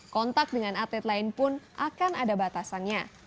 kontak dengan atlet lain pun akan ada batasannya